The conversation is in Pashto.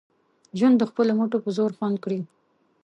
ژوند د خپلو مټو په زور خوند کړي